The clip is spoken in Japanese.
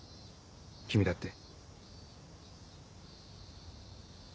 君だって。